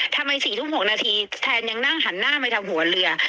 ๔ทุ่ม๖นาทีแทนยังนั่งหันหน้าไปทางหัวเรือ